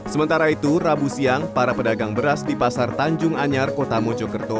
sementara itu rabu siang para pedagang beras di pasar tanjung anyar kota mojokerto